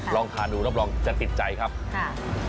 ลองทานดูรับรองจะติดใจครับค่ะ